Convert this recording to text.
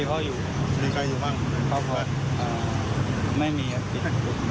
นั่งอยู่หน้าบ้านเลยเฉย